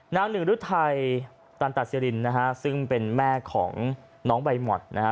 หนึ่งฤทัยตันตสิรินนะฮะซึ่งเป็นแม่ของน้องใบหม่อนนะฮะ